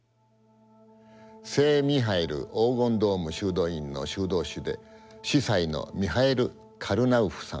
聖ミハイル黄金ドーム修道院の修道士で司祭のミハイル・カルナウフさん。